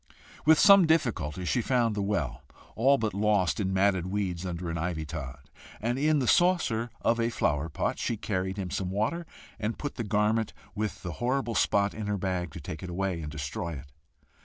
With some difficulty she found the well, all but lost in matted weeds under an ivy tod, and in the saucer of a flower pot she carried him some water, and put the garment with the horrible spot in her bag, to take it away and destroy it.